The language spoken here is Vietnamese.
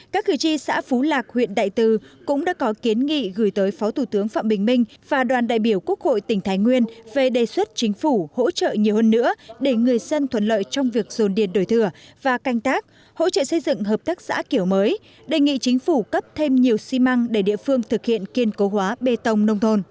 các cử tri xã phú lạc huyện đại từ cũng đã có kiến nghị gửi tới phó thủ tướng phạm bình minh và đoàn đại biểu quốc hội tỉnh thái nguyên về đề xuất chính phủ hỗ trợ nhiều hơn nữa để người dân thuận lợi trong việc dồn điền đổi thừa và canh tác hỗ trợ xây dựng hợp tác xã kiểu mới đề nghị chính phủ cấp thêm nhiều xi măng để địa phương thực hiện kiên cố hóa bê tông nông thôn